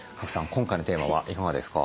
今回のテーマはいかがですか？